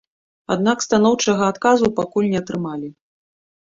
Аднак станоўчага адказу пакуль не атрымалі.